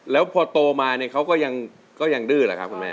แล้วพอโตมาเนี่ยเขาก็ยังดื้อแหละครับคุณแม่